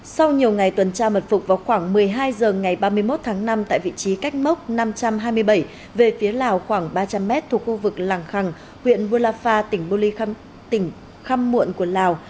sau nhiều ngày tuần tra mật phục vào khoảng một mươi hai h ngày ba mươi một tháng năm tại vị trí cách mốc năm trăm hai mươi bảy về phía lào khoảng ba trăm linh m thuộc khu vực làng khàng huyện bô la pha tỉnh bli tỉnh khăm muộn của lào